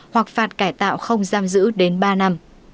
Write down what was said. hoặc phạt cải tạo không giá